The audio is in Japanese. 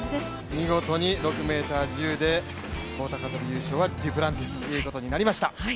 見事に６ｍ１０で棒高跳優勝はデュプランティスということになりました。